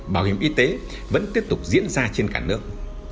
bảo hiểm y tế vẫn tiếp tục diễn ra trên cả nước